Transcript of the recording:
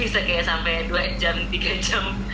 bisa kayak sampai dua jam tiga jam